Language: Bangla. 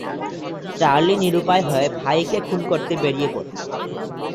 চার্লি নিরুপায় হয়ে ভাই কে খুন করতে বেড়িয়ে পড়ে।